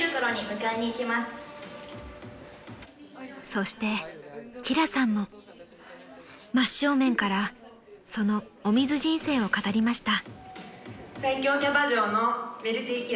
［そして輝さんも真っ正面からそのお水人生を語りました］